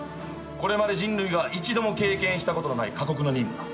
これまで人類が一度も経験したことのない過酷な任務だ。